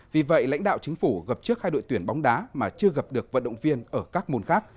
vì vậy lãnh đạo chính phủ gặp trước hai đội tuyển bóng đá mà chưa gặp được vận động viên ở các môn khác